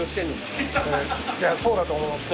そうだと思います。